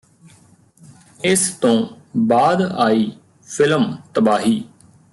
ਇਸ ਤੋਂ ਬਾਅਦ ਆਈ ਫਿਲਮ ਤਬਾਹੀ